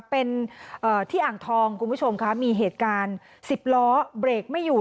เป็นที่อ่างทองคุณผู้ชมค่ะมีเหตุการณ์๑๐ล้อเบรกไม่อยู่